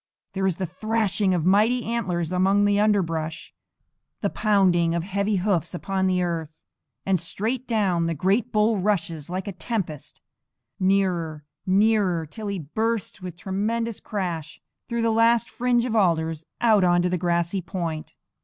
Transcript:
There is the thrashing of mighty antlers among the underbrush, the pounding of heavy hoofs upon the earth; and straight down the great bull rushes like a tempest, nearer, nearer, till he bursts with tremendous crash through the last fringe of alders out onto the grassy point.